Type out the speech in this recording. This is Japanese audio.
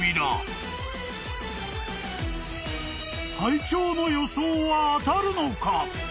［隊長の予想は当たるのか？］